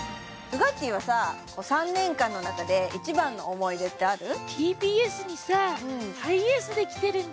ウガッティーはさ３年間の中で一番の思い出ってある？